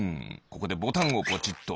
ここでボタンをぽちっと。